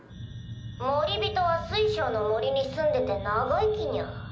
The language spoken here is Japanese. モリビトは水晶の森に住んでて長生きニャ。